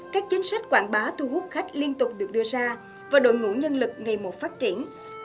các chính sách quảng bá thu hút khách liên tục được đưa ra và đội ngũ nhân lực ngày một phát triển